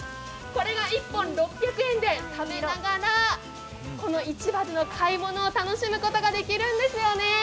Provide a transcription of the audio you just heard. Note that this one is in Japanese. これが１本６００円、食べながらこの市場では買い物を楽しむことができるんですよね。